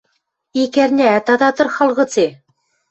– Ик ӓрняӓт ада тырхал гыце?